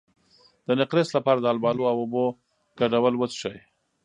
د نقرس لپاره د الوبالو او اوبو ګډول وڅښئ